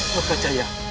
loh kak jaya